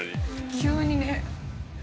急にね。